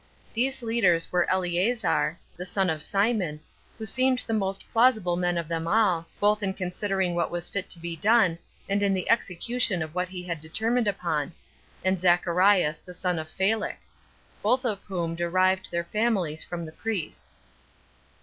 These leaders were Eleazar, the son of Simon, who seemed the most plausible man of them all, both in considering what was fit to be done, and in the execution of what he had determined upon, and Zacharias, the son of Phalek; both of whom derived their families from the priests.